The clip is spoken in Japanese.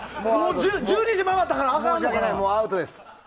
１２時を回ったからあかんのか！